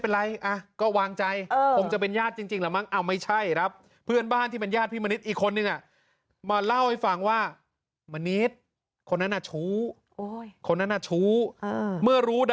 พี่มณิฐฐฐฐ์บอกแบบนั้นนะผมไม่ได้บอกนะคุณผู้ชม